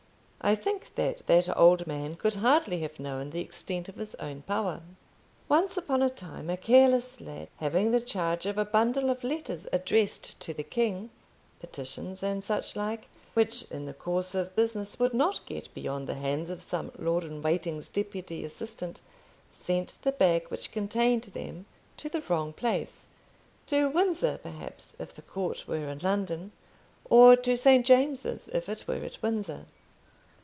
I think that that old man could hardly have known the extent of his own power. Once upon a time a careless lad, having the charge of a bundle of letters addressed to the King, petitions and such like, which in the course of business would not get beyond the hands of some lord in waiting's deputy assistant, sent the bag which contained them to the wrong place; to Windsor, perhaps, if the Court were in London; or to St. James's, if it were at Windsor.